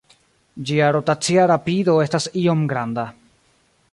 Ĝia rotacia rapido estas iom granda.